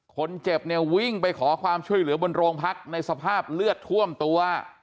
คนเจ็บเนี่ยวิ่งไปขอความช่วยเหลือบนโรงพักในสภาพเลือดท่วมตัว